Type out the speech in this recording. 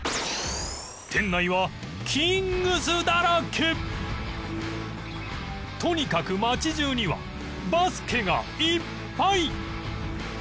店内はとにかく街中にはバスケがいっぱい！